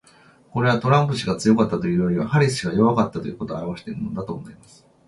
これは、トランプ氏が強かったというよりはハリス氏が弱かったということを表してるのだと思います。